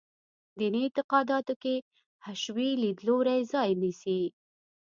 دیني اعتقاداتو کې حشوي لیدلوری ځای ونیسي.